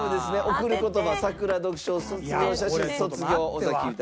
『贈る言葉』『さくら』『卒業写真』『卒業』尾崎豊。